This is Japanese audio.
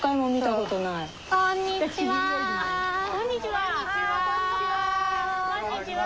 こんにちは。